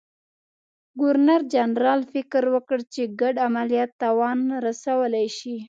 ګورنرجنرال فکر وکړ چې ګډ عملیات تاوان رسولای شي.